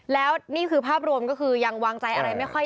แล้วนี่คือภาพรวมก็คือยังวางใจอะไรไม่ค่อย